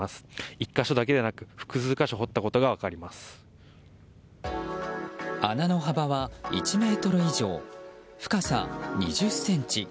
１か所だけではなく穴の幅は１ｍ以上深さ２０ｃｍ。